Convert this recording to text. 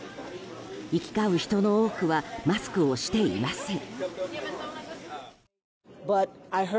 行き交う人の多くはマスクをしていません。